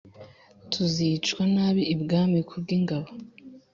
tuzicwa nabi ibwami kubwingabo